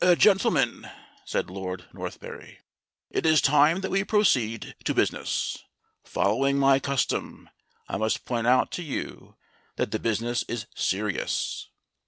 "Gentlemen," said Lord Northberry, "it is time that we proceeded to business. Following my custom, I must point out to you that the business is serious."